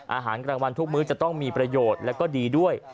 อาหารกลางวันทุกมื้อจะต้องมีประโยชน์แล้วก็ดีด้วย